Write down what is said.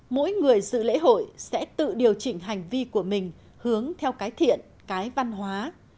mỗi người dự lễ hội sẽ tự điều chỉnh hành vi của mình hướng theo cái thiện cái văn hóa